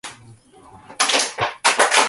今のところとんとん拍子で行き過ぎている